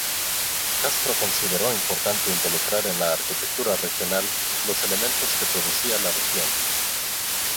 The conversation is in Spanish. Castro consideró importante involucrar en la arquitectura regional los elementos que producía la región.